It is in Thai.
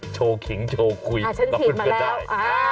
โชว์เคียงโชว์คุยเราพูดเข้าใจ